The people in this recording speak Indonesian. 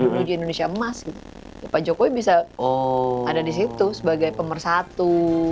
menuju indonesia emas pak jokowi bisa ada di situ sebagai pemersatu